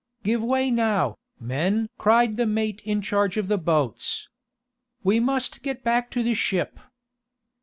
"Give way now, men!" cried the mate in charge of the boats. "We must get back to the ship!"